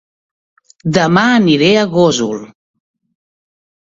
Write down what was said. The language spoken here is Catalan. Dema aniré a Gósol